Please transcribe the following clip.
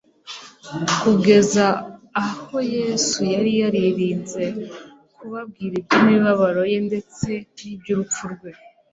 Kugeza aha Yesu yari yaririnze kubabwira iby'imibabaro ye ndetse n'iby'urupfu rwe.